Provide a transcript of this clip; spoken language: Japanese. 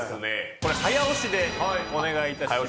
これ早押しでお願いいたします。